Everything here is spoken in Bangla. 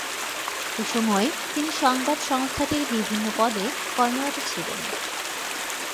এসময় তিনি সংবাদ সংস্থাটির বিভিন্ন পদে কর্মরত ছিলেন।